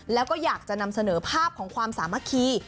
แล้วก็อยากจะนำเสนอภาพของความสามัคคี